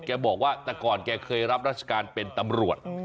บอกว่าแต่ก่อนแกเคยรับราชการเป็นตำรวจ